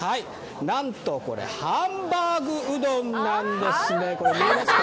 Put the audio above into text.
なんと、これハンバーグうどんなんですね、見えますか？